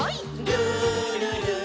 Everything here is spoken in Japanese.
「るるる」